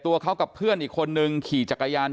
ตัวเขากับเพื่อนอีกคนนึงขี่จักรยาน